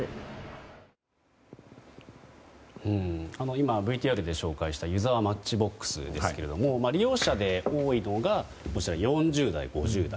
今、ＶＴＲで紹介したゆざわマッチボックスですが利用者で多いのが４０代、５０代。